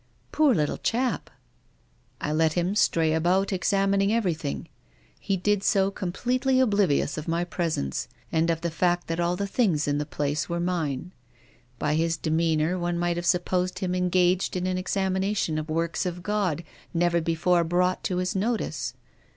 " Poor little chap !"" I let him stray about examining everything. He did so completely oblivious of my presence, and of the fact that all the things in the place were mine. By his demeanour one might have supposed him engaged in an examination of works of God never before brought to his notice.